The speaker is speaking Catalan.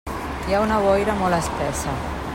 Hi ha una boira molt espessa.